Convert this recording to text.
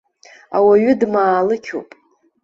Ауаҩы дмаалықьуп.